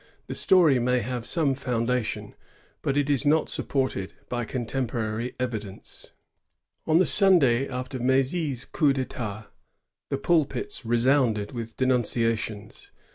The story may have some foun dation, but it is not supported by contemporary evidence. On the Sunday after Mdzy's coup d^itatj the pulpits resounded witb denunciations.